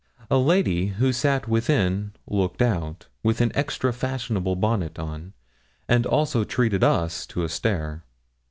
A lady who sat within looked out, with an extra fashionable bonnet on, and also treated us to a stare.